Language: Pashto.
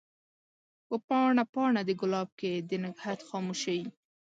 په پاڼه ، پاڼه دګلاب کښي د نګهت خاموشی